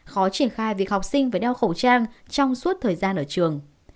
khó triển khai việc học sinh phải đeo khẩu trang trong suốt thời gian ở trường